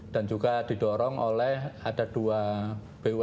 dan juga didorong oleh ada dua bumn kita